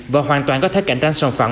và hoàn toàn có thể cạnh tranh sản phẩm